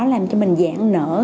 làm cho mình dạng nở